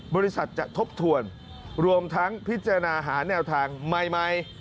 บริษัทจะทบทวนรวมทั้งพิจารณาหาแนวทางใหม่